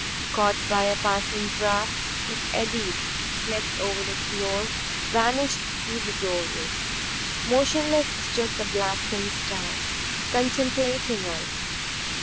Caught by a passing draft, it eddied, slipped over the floor, vanished through the doorway. Motionless stood the blasting stars, contemplating us.